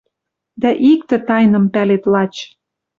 Дӓ иктӹ тайным пӓлет лач».